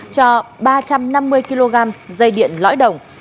cho ba trăm năm mươi kg dây điện lõi đồng